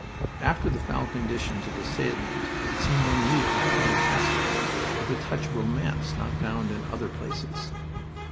After the foul conditions of the salient it seemed unreal and fantastic, with a touch of romance not found in other places.